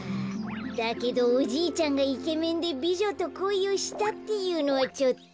だけどおじいちゃんがイケメンでびじょとこいをしたっていうのはちょっと。